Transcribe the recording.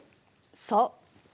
そう。